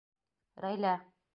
Рәйлә